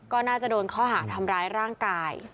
ก็น่าจะโดนข้อหาทำร้ายร่างกาย